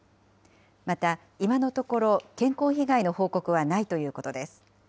また、今のところ、健康被害の報告はないということです。